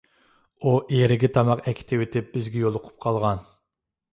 ئۇ ئېرىگە تاماق ئەكېتىۋېتىپ بىزگە يولۇقۇپ قالغان.